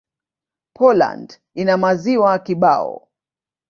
Poland ina maziwa kibao.